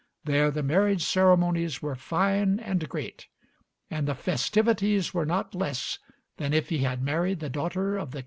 There the marriage ceremonies were fine and great, and the festivities were not less than if he had married the daughter of the king of France.